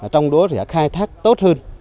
trong đó sẽ khai thác tốt hơn